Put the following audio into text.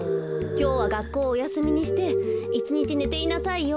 きょうはがっこうおやすみにしていちにちねていなさいよ。